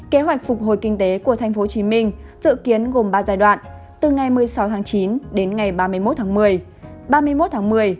kế hoạch phục hồi kinh tế của tp hcm dự kiến gồm ba giai đoạn từ ngày một mươi sáu chín đến ngày ba mươi một một mươi